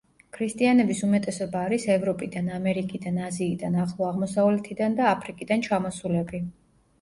ქრისტიანების უმეტესობა არის ევროპიდან, ამერიკიდან, აზიიდან, ახლო აღმოსავლეთიდან და აფრიკიდან ჩამოსულები.